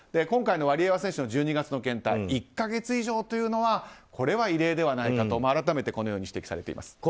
今回のワリエワ選手の１２月の検体１か月以上というのはこれは異例ではないかと改めて指摘されています。